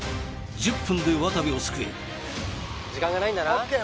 １０分で渡部を救え時間がないんだなＯＫ